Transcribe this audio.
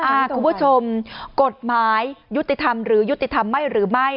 คุณผู้ชมกฎหมายยุติธรรมหรือยุติธรรมไม่หรือไม่